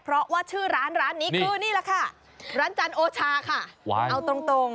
เพราะว่าชื่อร้านร้านนี้คือนี่แหละค่ะร้านจันทร์โอชาค่ะเอาตรงตรง